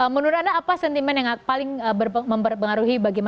menurut anda apa sentimen yang paling berpengaruhi